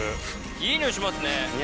いい匂いしますね。